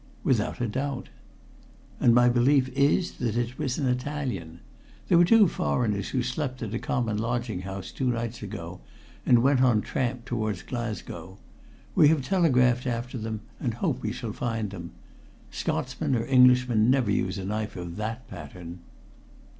"Without a doubt." "And my belief is that it was an Italian. There were two foreigners who slept at a common lodging house two nights ago and went on tramp towards Glasgow. We have telegraphed after them, and hope we shall find them. Scotsmen or Englishmen never use a knife of that pattern."